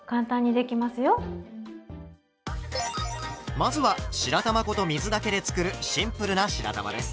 まずは白玉粉と水だけで作るシンプルな白玉です。